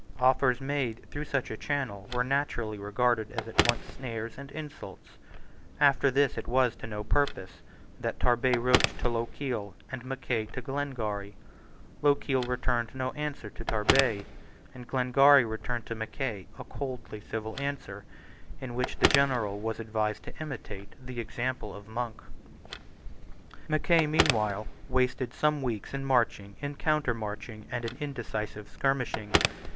Offers made through such a channel were naturally regarded as at once snares and insults. After this it was to no purpose that Tarbet wrote to Lochiel and Mackay to Glengarry. Lochiel returned no answer to Tarbet; and Glengarry returned to Mackay a coldly civil answer, in which the general was advised to imitate the example of Monk, Mackay, meanwhile, wasted some weeks in marching, in countermarching, and in indecisive skirmishing.